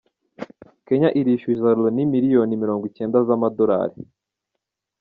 Kenya irishyuza Loni miliyoni mirongwicyenda z’amadolari